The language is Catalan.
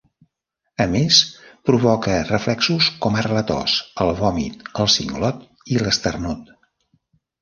A més, provoca reflexos com ara la tos, el vòmit, el singlot i l'esternut.